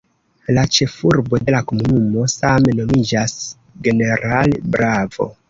La ĉefurbo de la komunumo same nomiĝas "General Bravo".